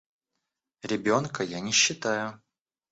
Ребенка я не считаю.